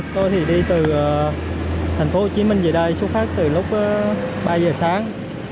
tôi thì đi từ thành phố hồ chí minh về đây xuất phát từ lúc ba giờ sáng